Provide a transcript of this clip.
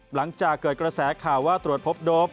หลังจากเกิดกระแสข่าวว่าตรวจพบโดป